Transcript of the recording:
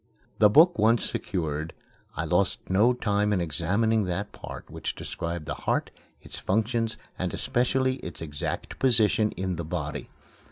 The book once secured, I lost no time in examining that part which described the heart, its functions, and especially its exact position in the body.